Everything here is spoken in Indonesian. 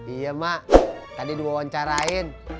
iya mak tadi di wawancarain